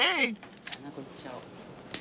穴子いっちゃおう。